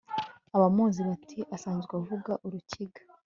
abamuzi bati asanzwe avuga urukiga